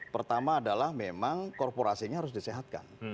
pertama adalah memang korporasinya harus disehatkan